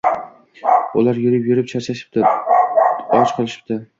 Ular yurib-yurib charchashibdi, och qolishibdi.